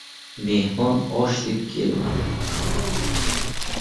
Mehmon osh deb kelmaydi.